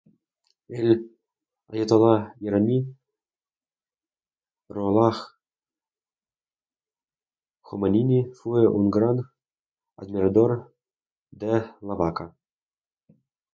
El ayatolá iraní Ruhollah Jomeini fue un gran admirador de "La vaca".